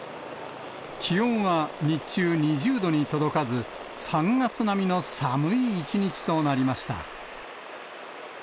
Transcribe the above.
気温は日中２０度に届かず、３月並みの寒い一日となりました。